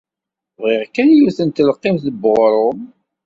Bbiɣ kan yiwet n telqimt n weɣrum.